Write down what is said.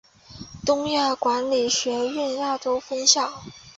东亚管理学院亚洲分校。